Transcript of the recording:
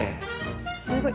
すごい。